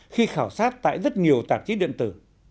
khi khảo sát tại rất nhiều tạp chí điện tử